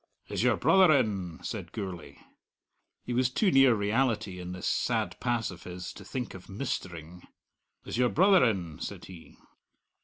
"Is your brother in?" said Gourlay. He was too near reality in this sad pass of his to think of "mistering." "Is your brother in?" said he.